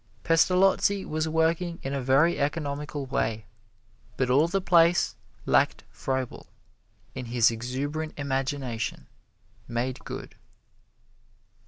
Pestalozzi was working in a very economical way, but all the place lacked Froebel, in his exuberant imagination, made good.